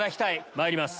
まいります